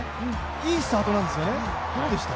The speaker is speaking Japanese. いいスタートなんですよね、どうでした？